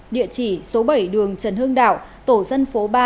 địa chỉ số bảy đường trần hương đảo tổ dân phố ba